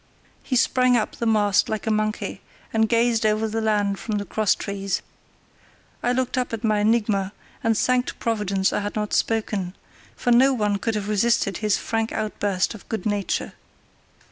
He sprang up the mast like a monkey, and gazed over the land from the cross trees. I looked up at my enigma and thanked Providence I had not spoken; for no one could have resisted his frank outburst of good nature.